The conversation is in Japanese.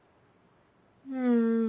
うん。